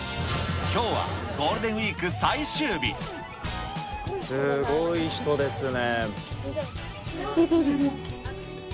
きょうはゴールデンウィークすごい人ですね。